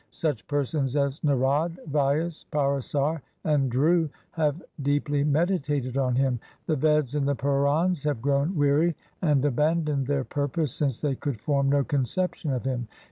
Such persons as Narad, Vyas, Parasar, and Dhru have deeply meditated on Him. The Veds and the Purans have grown weary and aban doned their purpose, since they could form no conception of Him.